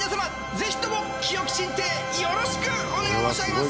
ぜひとも清き珍定よろしくお願い申し上げます。